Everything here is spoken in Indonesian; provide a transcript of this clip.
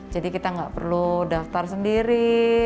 jadi kita gak perlu daftar sendiri